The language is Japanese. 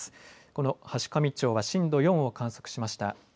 この階上町は震度４を観測しました。